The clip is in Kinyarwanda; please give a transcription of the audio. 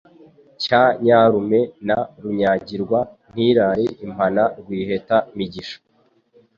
Cya Nyarume na Runyagirwa Ntirare impana Rwiheta-migisha.